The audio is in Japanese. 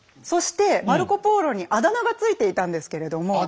そしてマルコ・ポーロにあだ名が付いていたんですけれども。